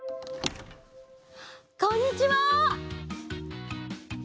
こんにちは！